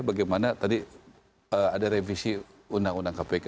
bagaimana tadi ada revisi undang undang kpk